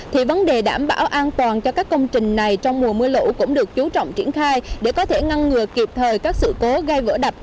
thì vấn đề đảm bảo an toàn cho các công trình này trong mùa mưa lũ cũng được chú trọng triển khai để có thể ngăn ngừa kịp thời các sự cố gây vỡ đập